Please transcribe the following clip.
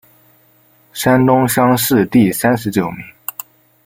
山东乡试第三十九名。